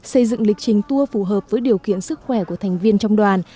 xây dựng lịch trình tour phù hợp với điều kiện sức khỏe của thành viên trong đoàn